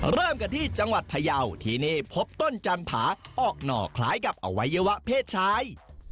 เริ่มกันที่จังหวัดพยาวที่นี่พบต้นจันผาออกหน่อคล้ายกับอวัยวะเพศชาย